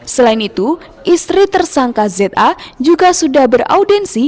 selain itu istri tersangka za juga sudah beraudensi